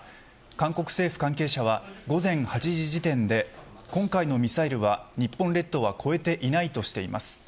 韓国政府関係者は午前８時時点で今回のミサイルは日本列島は越えていないとしています。